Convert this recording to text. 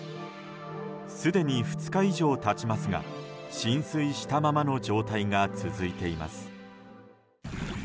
すでに２日以上経ちますが浸水したままの状態が続いています。